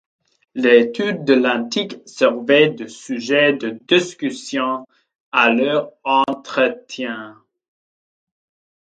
L'étude de l'Antique servait de sujet de discussions à leurs entretiens.